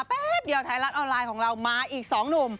แป๊บเดียวไทยรัฐออนไลน์ของเรามาอีกสองหนุ่ม